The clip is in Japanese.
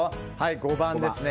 ５番ですね。